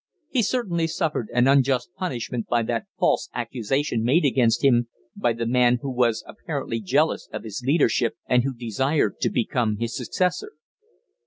He certainly suffered an unjust punishment by that false accusation made against him by the man who was apparently jealous of his leadership, and who desired to become his successor."